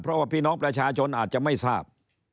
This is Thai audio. เพราะว่าพี่น้องประชาชนอาจจะไม่ทราบ